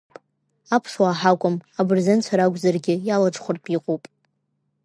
Аԥсуаа ҳакәым, абырзенцәа ракәзаргьы иалаҽхәартә иҟоуп.